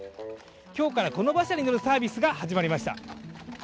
今日からこの馬車に乗るサービスが始まりました。